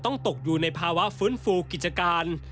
ตกอยู่ในภาวะฟื้นฟูกิจการ